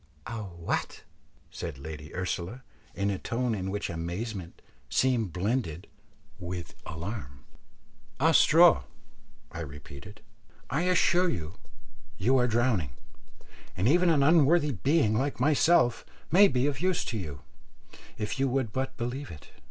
"A what!" said Lady Ursula, in a tone in which amazement seemed blended with alarm. "A straw," I repeated; "I assure you you are drowning, and even an unworthy being like myself may be of use to you, if you would but believe it.